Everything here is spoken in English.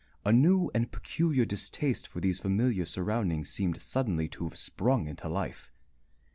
A new and peculiar distaste for these familiar surroundings seemed suddenly to have sprung into life.